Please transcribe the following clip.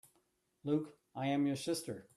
Luke, I am your sister!